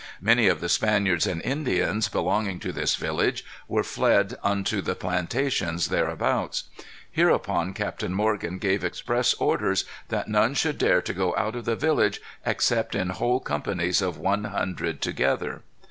Many of the Spaniards and Indians, belonging to this village, were fled unto the plantations thereabouts. Hereupon Captain Morgan gave express orders that none should dare to go out of the village except in whole companies of one hundred together.